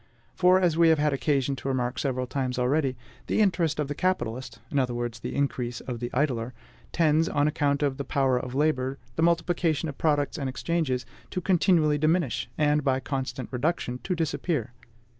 For, as we have had occasion to remark several times already, the interest of the capitalist in other words the increase of the idler tends, on account of the power of labor, the multiplication of products and exchanges, to continually diminish, and, by constant reduction, to disappear.